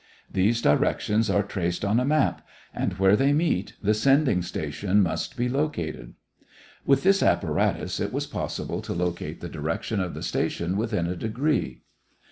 These directions are traced on a map; and where they meet, the sending station must be located. With this apparatus it was possible to locate the direction of the station within a degree.